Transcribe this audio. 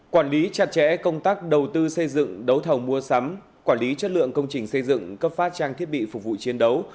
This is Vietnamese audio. quản lý chặt chẽ công tác đầu tư xây dựng đấu thầu mua sắm quản lý chất lượng công trình xây dựng cấp phát trang thiết bị phục vụ chiến đấu